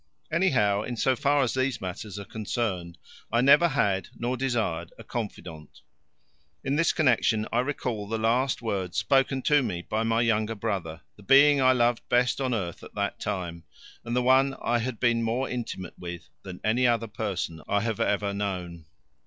Anyhow, in so far as these matters are concerned, I never had nor desired a confidant. In this connection I recall the last words spoken to me by my younger brother, the being I loved best on earth at that time and the one I had been more intimate with than with any other person I have ever known.